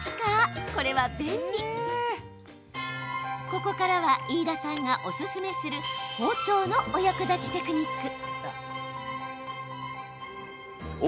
ここからは飯田さんがおすすめする包丁のお役立ちテクニック。